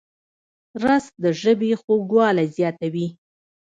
رس د ژبې خوږوالی زیاتوي